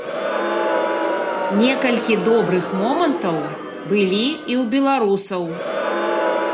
Некалькі добрых момантаў былі і ў беларусаў.